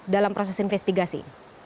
dalam proses investigasi